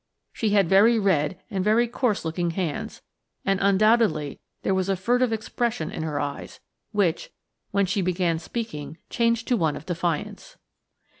She had very red and very coarse looking hands, and undoubtedly there was a furtive expression in her eyes, which, when she began speaking, changed to one of defiance.